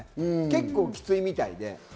結構きついみたいで。